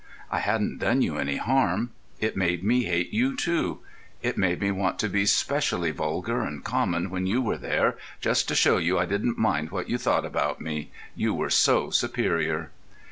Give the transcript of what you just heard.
I hadn't done you any harm. It made me hate you too.... It made me want to be specially vulgar and common when you were there, just to show you I didn't mind what you thought about me.... You were so superior.